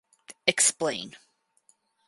Explain.